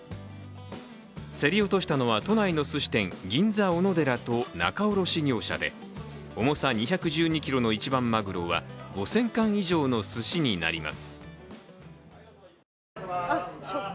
競り落としたのは、都内のすし店銀座おのでらと仲卸業者で重さ２１２ｋｇの一番まぐろは５０００貫以上のすしになります。